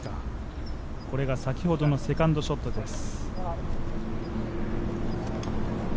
これが先ほどのセカンドショットです。